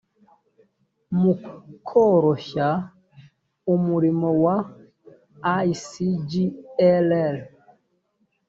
mu koroshya umurimo wa icglr